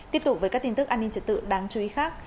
tiếp tục với các tin tức an ninh trật tự đáng chú ý khác